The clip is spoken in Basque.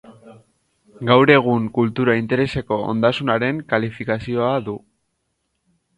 Gaur egun kultura-intereseko ondasunaren kalifikazioa du.